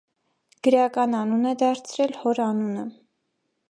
Գրական անուն է դարձրել հոր անունը։